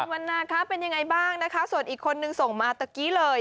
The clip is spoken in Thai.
วันนาคะเป็นยังไงบ้างนะคะส่วนอีกคนนึงส่งมาตะกี้เลย